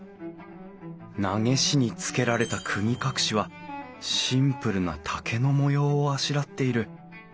長押につけられたくぎ隠しはシンプルな竹の模様をあしらっている。